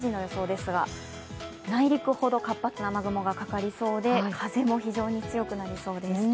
明日の朝７時の予想ですが、内陸ほど活発な雨雲がかかりそうで風も非常に強くなりそうです。